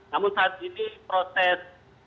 namun saat ini proses